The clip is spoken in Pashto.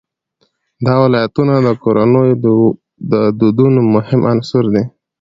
دا ولایتونه د کورنیو د دودونو مهم عنصر دی.